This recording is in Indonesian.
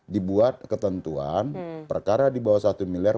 dibuat ketentuan perkara di bawah satu miliar